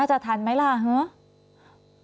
ก็เห็นวันที่๒ค่ะรับผลรับความการตัดสิน